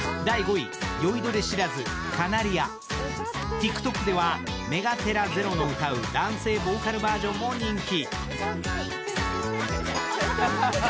ＴｉｋＴｏｋではメガテラ・ゼロの歌う男性ボーカルバージョンも人気。